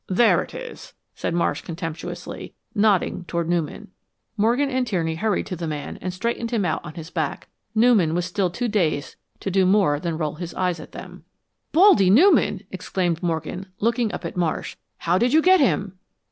"There it is," said Marsh, contemptuously, nodding toward Newman. Morgan and Tierney hurried to the man and straightened him out on his back. Newman was still too dazed to do more than roll his eyes at them. "'Baldy' Newman!" exclaimed Morgan, looking up at Marsh. "How did you get him?"